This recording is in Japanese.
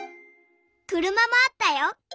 くるまもあったよ。